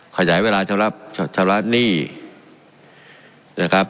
ขยายเวลาเฉพาะร้านหนี้นะครับ